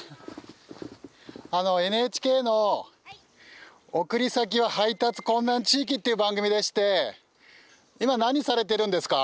あのＮＨＫの「送り先は配達困難地域」っていう番組でして今何されてるんですか？